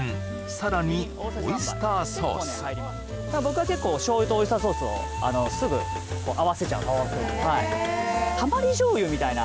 さらにオイスターソース僕は結構醤油とオイスターソースをすぐ合わせちゃうんです